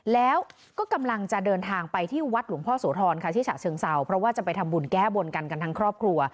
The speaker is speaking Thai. แล้วก็กำลังจะเดินทางไปที่วัดหลวงพ่อโสธรค่ะที่ฉะเชิงเศร้าเพราะว่าจะไปทำบุญแก้บนกันกันทั้งครอบครัว